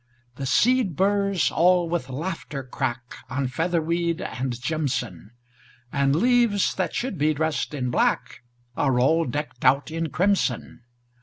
The seed burrs all with laughter crack On featherweed and jimson; And leaves that should be dressed in black Are all decked out in crimson.